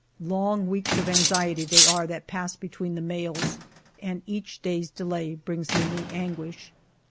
Long weeks of anxiety they are that pass between the mails, and each day's delay brings me new anguish.